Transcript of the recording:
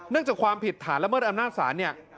จากความผิดฐานละเมิดอำนาจศาลเนี่ย